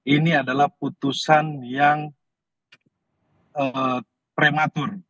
ini adalah putusan yang prematur